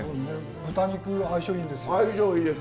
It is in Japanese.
豚肉相性いいんですよ。